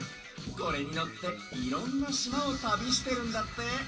これにのっていろんなしまをたびしてるんだって。